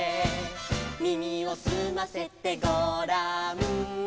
「耳をすませてごらん」